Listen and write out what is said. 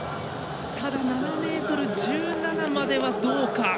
ただ７ｍ１７まではどうか。